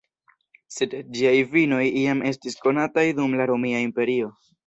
Sed ĝiaj vinoj jam estis konataj dum la Romia Imperio.